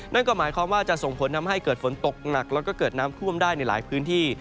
นั่นก็หมายความว่าจะส่งผลทำให้เกิดฝนตกหนักแล้วก็เกิดน้ำท่วมได้ในหลายพื้นที่